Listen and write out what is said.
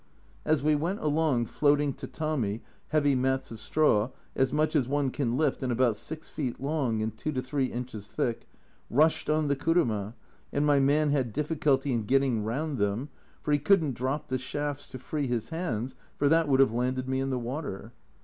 As we went along floating tatami (heavy mats of straw', as much as one can lift and about 6 feet long and 2 3 inches thick) rushed on the kuruma, and my man had difficulty in getting round them, for he couldn't drop the shafts to free his hands for that would have landed me in the water.